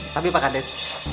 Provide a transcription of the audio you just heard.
tapi pak hades